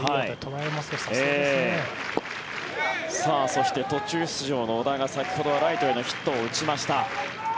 そして途中出場の小田が先ほどはライトへのヒットを打ちました。